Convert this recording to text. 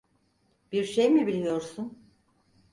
Bir şey mi biliyorsun?